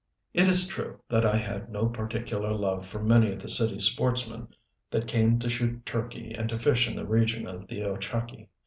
It is true that I had no particular love for many of the city sportsmen that came to shoot turkey and to fish in the region of the Ochakee.